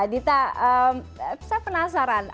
dita saya penasaran